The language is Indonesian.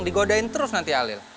digodain terus nanti halil